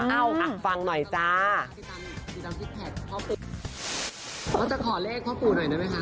ก็จะขอเลขผ้าปู่หน่อยได้มั้ยคะ